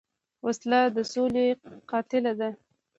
وسله د سولې قاتله ده